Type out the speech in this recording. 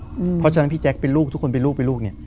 เพราะฉะนั้นพี่แจ๊คเป็นลูกทุกคนเป็นลูกเป็นลูกเนี่ย